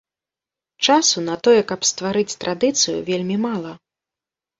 Часу на тое, каб стварыць традыцыю, вельмі мала.